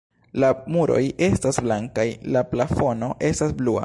La muroj estas blankaj, la plafono estas blua.